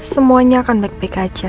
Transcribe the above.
semuanya akan baik baik aja